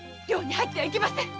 寮に入ってはいけません。